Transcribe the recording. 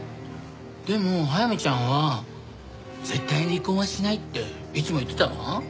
でも速水ちゃんは絶対に離婚はしないっていつも言ってたわ。